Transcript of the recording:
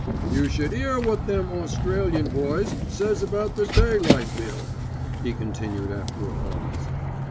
"You should 'ear wot them Australian boys says about the Daylight Bill," he continued after a pause.